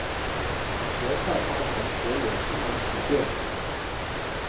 模块包含所有功能组件。